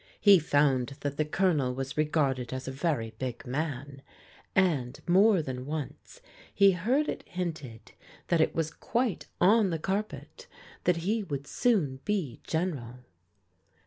He found that the Colonel was regarded as a very big man, and more than once he heard it hinted that it was quite on the carpet that he would soon be General.